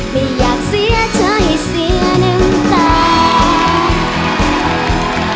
ไม่อยากเสียเธออย่าเสียน้ำตา